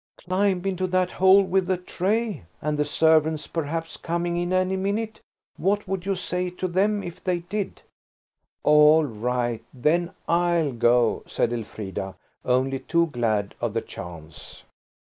"Climb into that hole–with a tray? And the servants, perhaps, coming in any minute? What would you say to them if they did?" "All right, then, I'll go," said Elfrida, only too glad of the chance.